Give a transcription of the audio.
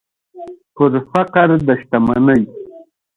پر فقر د شتمنۍ